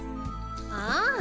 ああ！